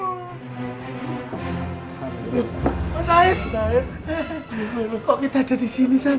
mas syed kok kita ada disini sam